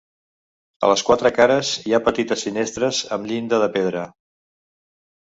A les quatre cares hi ha petites finestres amb llinda de pedra.